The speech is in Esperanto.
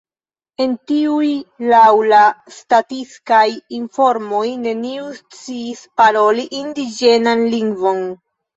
El tiuj laŭ la statistikaj informoj neniu sciis paroli indiĝenan lingvon.